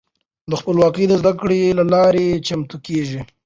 خپلواکې د زده کړې له لارې چمتو کیږي.